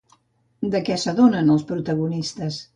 De què s'adonen els protagonistes?